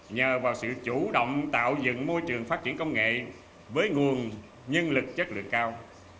nhờ vào sự chủ động tạo dựng môi trường phát triển công nghệ với nguồn nhân lực chất lượng cao